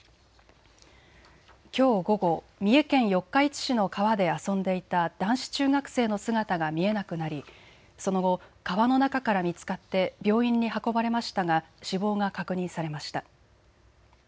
きょう午後、三重県四日市市の川で遊んでいた男子中学生の姿が見えなくなり、その後、川の中から見つかって病院に運ばれましたが死亡が確認されました。